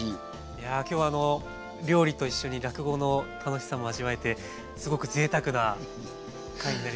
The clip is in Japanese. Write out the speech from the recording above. いや今日はあの料理と一緒に落語の楽しさも味わえてすごくぜいたくな回になりました。